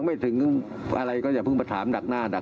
ยังไม่คิดถึงเมื่อกานนะ